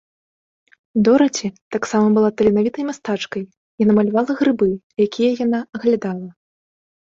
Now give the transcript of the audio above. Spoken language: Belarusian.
Дораці таксама была таленавітай мастачкай, яна малявала грыбы, якія яна аглядала.